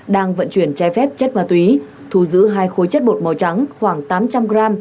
đang vận chuyển trái phép chất ma túy thu giữ hai khối chất bột màu trắng khoảng tám trăm linh g